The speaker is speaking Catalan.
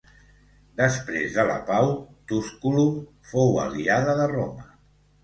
Després de la pau Túsculum fou aliada de Roma.